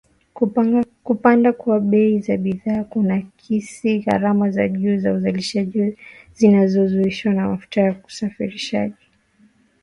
Kupanda kwa bei za bidhaa kunaakisi gharama za juu za uzalishaji zinazohusishwa na mafuta na usafirishaji.